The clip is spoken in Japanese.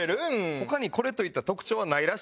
他にこれといった特徴はないらしいねんな。